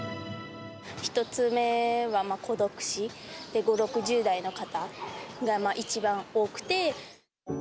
１つ目は孤独死、５、６０代の方が一番多くて。